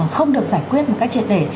không được giải quyết một cách triệt để